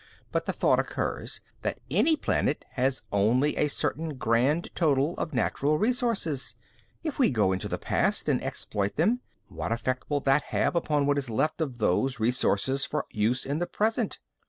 But the thought occurs that any planet has only a certain grand total of natural resources. If we go into the past and exploit them, what effect will that have upon what is left of those resources for use in the present?